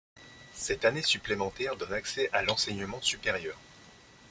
Cette année supplémentaire donne accès à l'enseignement supérieur.